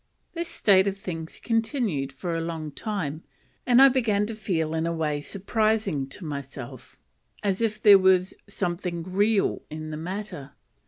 This state of things continued for a long time, and I began to feel in a way surprising to myself, as if there was something real in the matter.